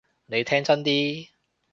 你聽真啲！